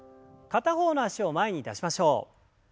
片方の脚を前に出しましょう。